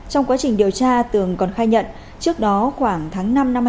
trong quá trình điều tra tường còn khai nhận trước đó khoảng tháng năm năm hai nghìn hai mươi